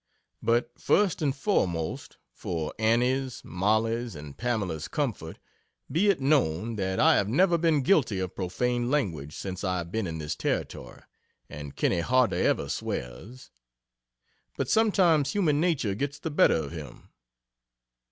But first and foremost, for Annie's, Mollies, and Pamela's comfort, be it known that I have never been guilty of profane language since I have been in this Territory, and Kinney hardly ever swears. But sometimes human nature gets the better of him.